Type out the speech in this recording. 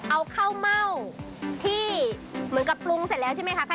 เอาข้าวเม่าที่เหมือนกับปรุงเสร็จแล้วใช่ไหมคะ